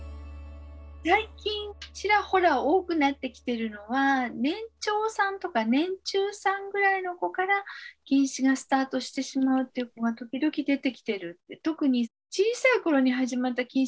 最近ちらほら多くなってきてるのは年長さんとか年中さんぐらいの子から近視がスタートしてしまうっていう子が時々出てきてる。